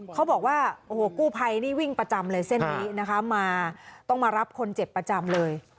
เขาบอกว่าโอ้โหกู้ภัยนี่วิ่งประจำเลยเส้นนี้นะคะมาต้องมารับคนเจ็บประจำเลย